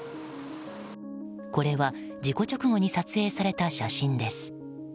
これは事故直後に撮影された写真です。